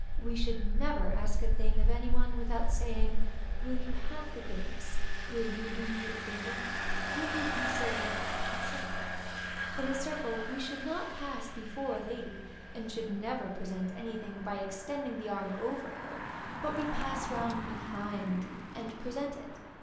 We should never ask a thing of any one without saying, will you have the goodness, will you do me the favor, will you be so good, &c. In a circle, we should not pass before a lady; and should never present any thing by extending the arm over her, but we pass round behind, and present it.